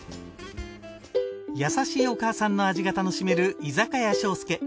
優しいお母さんの味が楽しめる居酒屋庄助。